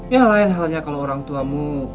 ya lain halnya kalau orang tuamu